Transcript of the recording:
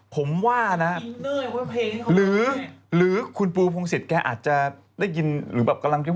ผมว่านะหรือคุณปูพงศิษย์แกอาจจะได้ยินหรือแบบกำลังคิด